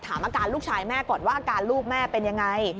ถามอาการลูกชายแม่ก่อนว่าอาการลูกแม่เป็นยังไง